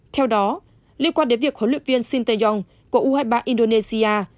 theo đó liên quan đến việc huấn luyện viên shin tae yong của u hai mươi ba indonesia